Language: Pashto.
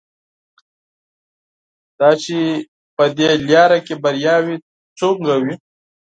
دا چې په دې لاره کې بریاوې څومره وې.